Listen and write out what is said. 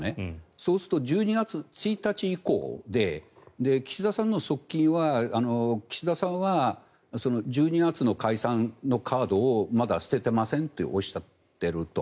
そうすると１２月１日以降で岸田さんの側近は、岸田さんは１２月の解散のカードをまだ捨てていませんっておっしゃっていると。